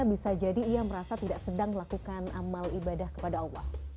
bisa jadi ia merasa tidak sedang melakukan amal ibadah kepada allah